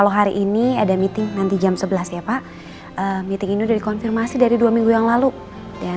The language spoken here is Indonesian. sampai jumpa di video selanjutnya